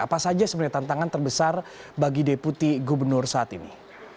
apa saja sebenarnya tantangan terbesar bagi deputi gubernur saat ini